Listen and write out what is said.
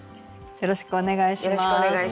よろしくお願いします。